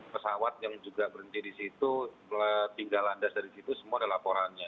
pesawat yang juga berhenti di situ tinggal landas dari situ semua ada laporannya